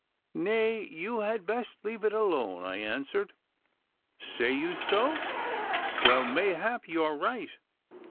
'Nay, you had best leave it alone,' I answered. 'Say you so? Well, mayhap you are right.